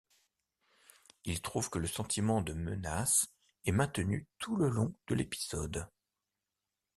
Il trouve que le sentiment de menace est maintenue tout le long de l'épisode.